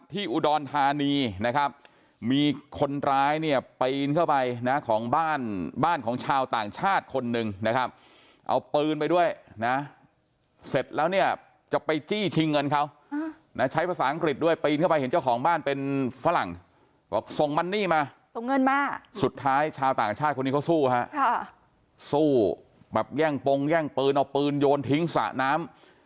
อุดรธานีนะครับมีคนร้ายเนี่ยปีนเข้าไปนะของบ้านบ้านของชาวต่างชาติคนหนึ่งนะครับเอาปืนไปด้วยนะเสร็จแล้วเนี่ยจะไปจี้ชิงเงินเขานะใช้ภาษาอังกฤษด้วยปีนเข้าไปเห็นเจ้าของบ้านเป็นฝรั่งบอกส่งมันนี่มาส่งเงินมาสุดท้ายชาวต่างชาติคนนี้เขาสู้ฮะสู้แบบแย่งปงแย่งปืนเอาปืนโยนทิ้งสระน้ำ